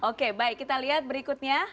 oke baik kita lihat berikutnya